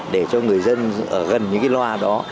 để cho người dân ở gần những cái loa đó